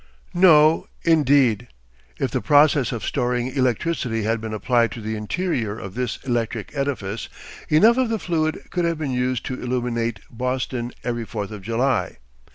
_" No, indeed. If the process of storing electricity had been applied to the interior of this electric edifice, enough of the fluid could have been saved to illuminate Boston every Fourth of July.